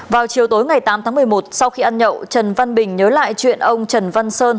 vào chiều tối ngày tám tháng một mươi một sau khi ăn nhậu trần văn bình nhớ lại chuyện ông trần văn sơn